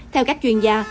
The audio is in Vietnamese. theo các chuyên gia